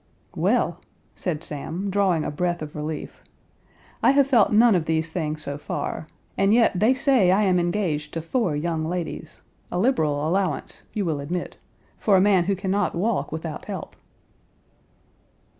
"Well," said Sam, drawing a breath of relief, "I have felt none of these things so far, and yet they say I am engaged to four young ladies, a liberal allowance, you will admit, for a man who can not walk without help."